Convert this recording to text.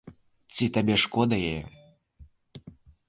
Ці табе шкода яе?